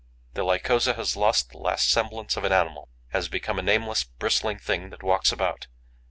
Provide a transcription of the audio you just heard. The Lycosa has lost the last semblance of an animal, has become a nameless bristling thing that walks about.